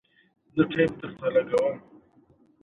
په افغانستان کې د دښتې لپاره طبیعي شرایط مناسب دي.